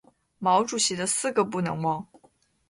毛主席的四个不能忘！